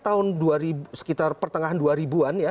tahun sekitar pertengahan dua ribu